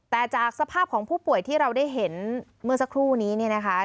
แต่จากสภาพของผู้ป่วยที่เราได้เห็นเมื่อสักครู่นี้เนี่ยนะคะ